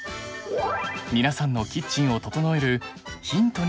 皆さんのキッチンを整えるヒントになりますように。